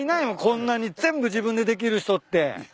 こんなに全部自分でできる人って。